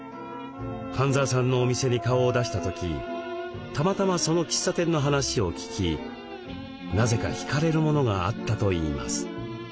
半澤さんのお店に顔を出した時たまたまその喫茶店の話を聞きなぜか引かれるものがあったといいます。